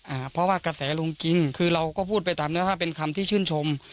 อ่าเพราะว่ากระแสลงจริงคือเราก็พูดไปตามเนื้อถ้าเป็นคำที่ชื่นชม